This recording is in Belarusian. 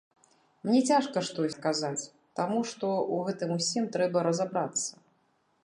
Мне цяжка штосьці адказаць, таму што ў гэтым усім трэба разабрацца.